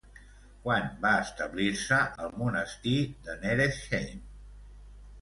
Quan va establir-se el monestir de Neresheim?